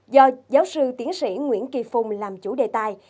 do giáo sư tiến sĩ nguyễn kỳ phùng làm chủ đề tài